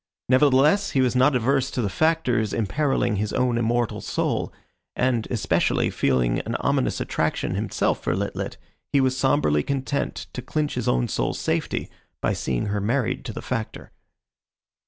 Nevertheless he was not averse to the Factor's imperilling his own immortal soul, and, especially, feeling an ominous attraction himself for Lit lit, he was sombrely content to clinch his own soul's safety by seeing her married to the Factor.